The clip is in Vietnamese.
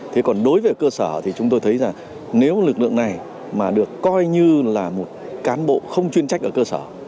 thế còn đối với cơ sở thì chúng tôi thấy rằng nếu lực lượng này mà được coi như là một cán bộ không chuyên trách ở cơ sở